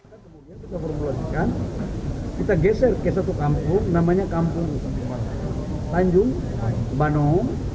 pertama kita merumplu signed kita geser ke satu kampung namanya kampung tanjung banung